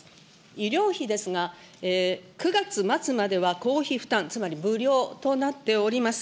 医療費ですが、９月末までは公費負担、つまり無料となっております。